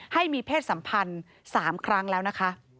ให้มีเพศสัมพันธ์๓ครั้งแล้วนะคะ